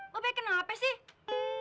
ba be kenapa sih